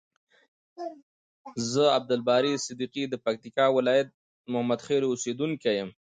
ز عبدالباری صدیقی د پکتیکا ولایت د محمدخیلو اوسیدونکی یم.